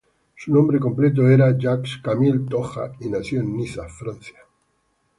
Su nombre completo era Jacques-Camille Toja, y nació en Niza, Francia.